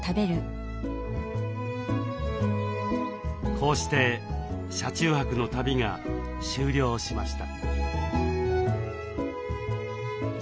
こうして車中泊の旅が終了しました。